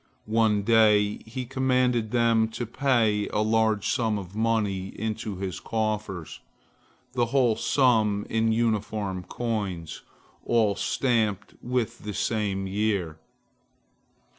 One day he commanded them to pay a large sum of money into his coffers, the whole sum in uniform coins, all stamped with the same year.